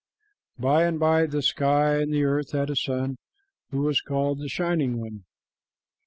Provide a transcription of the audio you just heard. By and by the sky and the earth had a son who was called the Shining One.